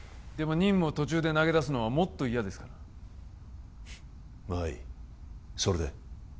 でも任務を途中で投げ出すのはもっと嫌ですからフンまあいいそれで？